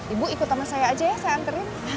ibu ikut sama saya aja ya saya anterin